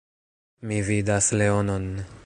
Mi vidas leonon.